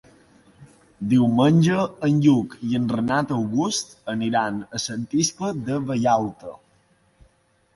Diumenge en Lluc i en Renat August aniran a Sant Iscle de Vallalta.